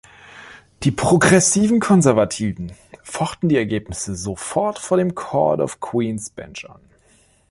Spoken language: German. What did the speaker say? Die progressiven Konservativen fochten die Ergebnisse sofort vor dem Court of Queen's Bench an.